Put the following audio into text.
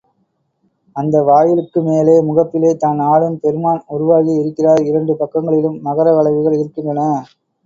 அந்த வாயிலுக்கு மேலே முகப்பிலே தான் ஆடும் பெருமான் உருவாகி இருக்கிறார் இரண்டு பக்கங்களிலும் மகர வளைவுகள் இருக்கின்றன.